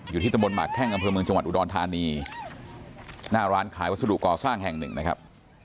ที่ตำบลหมากแข้งอำเภอเมืองจังหวัดอุดรธานีหน้าร้านขายวัสดุก่อสร้างแห่งหนึ่งนะครับ